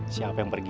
siapa yang pergi